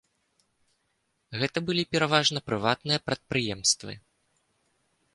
Гэта былі пераважна прыватныя прадпрыемствы.